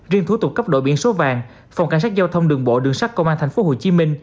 riêng thủ tục cấp đổi biển số vàng phòng cảnh sát giao thông đường bộ đường sắt công an tp hcm